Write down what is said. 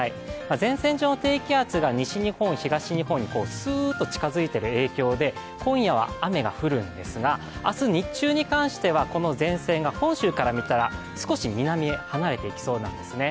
前線上の低気圧が西日本、東日本にすーっと近付いている影響で今夜は雨が降るんですが明日日中に関しては、この前線が本州から見たら少し南へ離れていきそうなんですね。